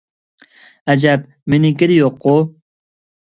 ئەجەب مېنىڭكىدە يوققۇ؟